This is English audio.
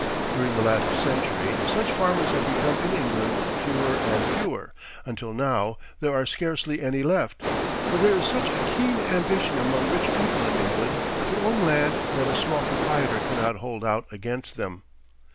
During the last century such farmers have become in England fewer and fewer, until now there are scarcely any left; for there is such a keen ambition among rich people in England to own land that a small proprietor cannot hold out against them.